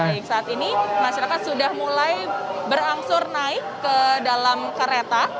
baik saat ini masyarakat sudah mulai berangsur naik ke dalam kereta